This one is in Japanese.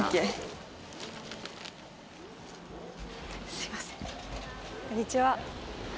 すいませんこんにちは。